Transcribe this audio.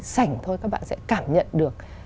sảnh thôi các bạn sẽ cảm nhận được